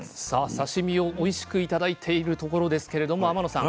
刺身をおいしく頂いているところですけれども天野さん